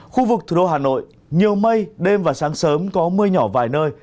khu vực thủ đô hà nội nhiều mây đêm và sáng sớm có mưa nhỏ vài nơi